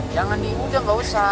jangan diimu sudah tidak usah